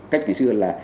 cách ngày xưa là